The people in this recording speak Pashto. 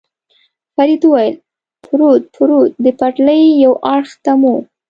فرید وویل: پروت، پروت، د پټلۍ یو اړخ ته مو.